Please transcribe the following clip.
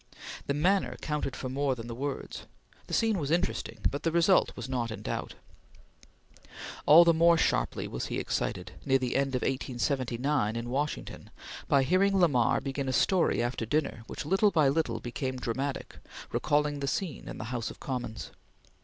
The manner counted for more than the words. The scene was interesting, but the result was not in doubt. All the more sharply he was excited, near the year 1879, in Washington, by hearing Lamar begin a story after dinner, which, little by little, became dramatic, recalling the scene in the House of Commons.